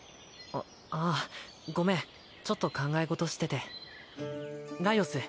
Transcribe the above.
あああごめんちょっと考えごとしててライオス